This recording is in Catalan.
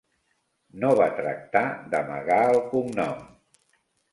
No va tractar d'amagar el cognom…